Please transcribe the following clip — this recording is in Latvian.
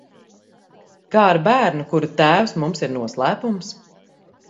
Kā ar bērnu, kura tēvs mums ir noslēpums?